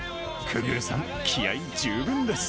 久々宇さん、気合い十分です。